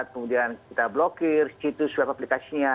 kemudian kita blokir situs web aplikasinya